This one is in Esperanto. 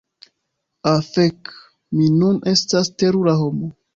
Ah fek' mi nun estas terura homo